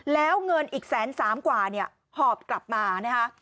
แล้วเงินอีกแสนสามกว่าเนี่ยหอบกลับมานะคะ